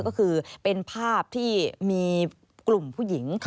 ก็คือเป็นภาพที่มีกลุ่มผู้หญิง